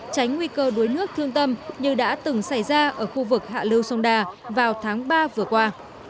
tránh nguy cơ đuối nước thương tâm như đã từng xảy ra ở khu vực hạ lưu sông đà vào tháng ba vừa qua